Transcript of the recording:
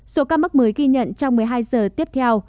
số ca mắc mới ghi nhận trong một mươi hai giờ tiếp theo